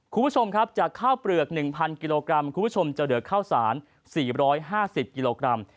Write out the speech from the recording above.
คุณผู้ชมครับจากข้าวเปลือก๑๐๐กิโลกรัมคุณผู้ชมจะเหลือข้าวสาร๔๕๐กิโลกรัม